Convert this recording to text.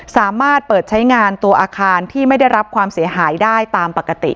สามารถเปิดใช้งานตัวอาคารที่ไม่ได้รับความเสียหายได้ตามปกติ